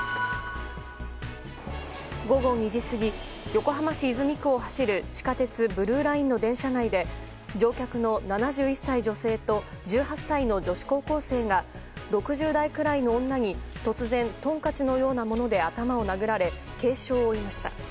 午後２時過ぎ、横浜市泉区を走る地下鉄ブルーラインの電車内で乗客の７１歳女性と１８歳の女子高校生が６０代ぐらいの女に突然トンカチのようなもので頭を殴られ、軽傷を負いました。